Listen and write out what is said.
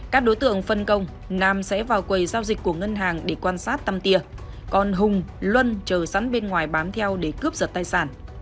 các đối tượng phân công nam sẽ vào quầy giao dịch của ngân hàng để quan sát tăm tia còn hùng luân chờ sẵn bên ngoài bám theo để cướp giật tài sản